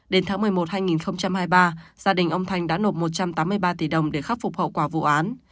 đến tháng một mươi một hai nghìn hai mươi ba gia đình ông thành đã nộp một trăm tám mươi ba tỷ đồng để khắc phục hậu quả vụ án